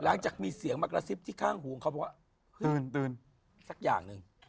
หลังจากมีเสียงมากระซิบที่ข้างหูมันพูดว่าสักอย่างหนึ่ง